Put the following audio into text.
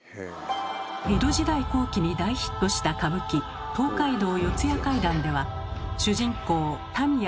江戸時代後期に大ヒットした歌舞伎「東海道四谷怪談」では主人公民谷